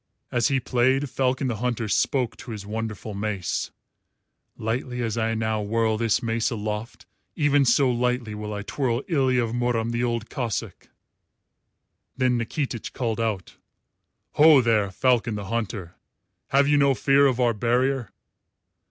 As he played, Falcon the Hunter spoke to his wonderful mace: "Lightly as I now whirl this mace aloft, even so lightly will I twirl Ilya of Murom the Old Cossáck." Then Nikitich called out, "Ho, there, Falcon the Hunter! Have you no fear of our barrier?"